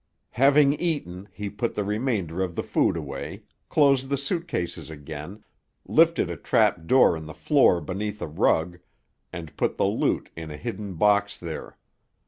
Having eaten, he put the remainder of the food away, closed the suit cases again, lifted a trapdoor in the floor beneath a rug, and put the loot in a hidden box there.